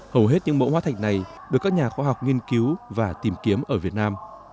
hầu hết những mẫu hóa thạch này được các nhà khoa học nghiên cứu và tìm kiếm ở việt nam